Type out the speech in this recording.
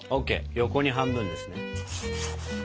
横に半分ですね。